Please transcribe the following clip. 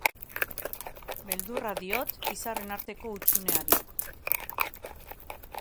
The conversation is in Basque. Beldurra diot izarren arteko hutsuneari.